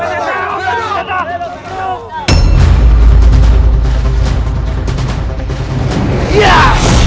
tidak tidak tidak